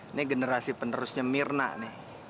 ini generasi penerusnya mirna nih